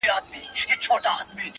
وای هسې نه چي تا له خوبه و نه باسم;